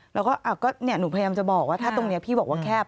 แล้วก็หนูพยายามจะบอกว่าถ้าตรงนี้พี่บอกว่าแคบ